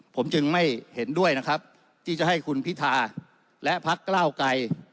ผมจึงไม่เห็นด้วยนะครับที่จะให้คุณพิธาและพักก้าวไกร